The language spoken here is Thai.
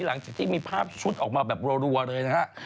หลังจากที่มีภาพชุดออกมาแบบรัวเลยนะฮะ